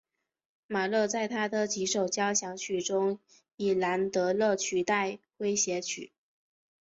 马勒在他的几首交响曲中以兰德勒取代诙谐曲。